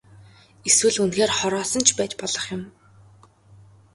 Эсвэл үнэхээр хороосон ч байж болох юм.